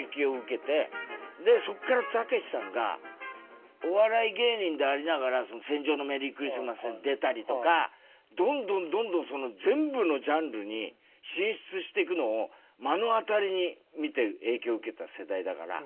そこからたけしさんがお笑い芸人でありながら『戦場のメリークリスマス』に出たりとかどんどんどんどん全部のジャンルに進出していくのを目の当たりに見て影響受けた世代だから。